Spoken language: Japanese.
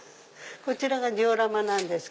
こちらがジオラマなんです。